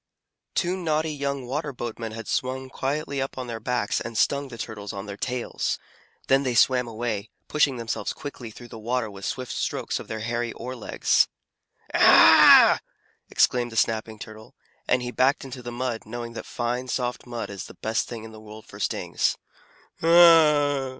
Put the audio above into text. Two naughty young Water Boatmen had swum quietly up on their backs, and stung the Turtles on their tails. Then they swam away, pushing themselves quickly through the water with swift strokes of their hairy oar legs. "Ah h h!" exclaimed the Snapping Turtle, and he backed into the mud, knowing that fine, soft mud is the best thing in the world for stings.